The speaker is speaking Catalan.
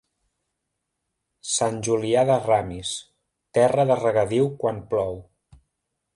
Sant Julià de Ramis, terra de regadiu quan plou.